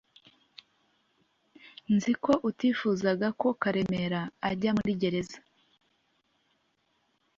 Nzi ko utifuzaga ko Karemera ajya muri gereza